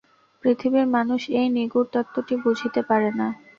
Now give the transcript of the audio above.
পৃথিবীর মানুষ এই নিগূঢ় তত্ত্বটি বুঝিতে পারে না।